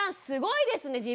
すごいですね。